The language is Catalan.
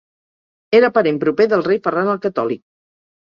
Era parent proper del rei Ferran el Catòlic.